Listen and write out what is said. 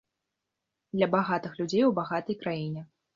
Для багатых людзей у багатай краіне.